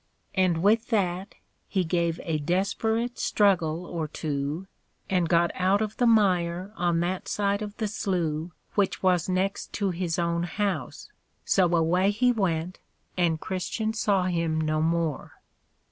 And with that he gave a desperate struggle or two, and got out of the mire on that side of the Slough which was next to his own house: so away he went, and Christian saw him no more.